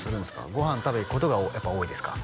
ご飯食べに行くことがやっぱ多いですか？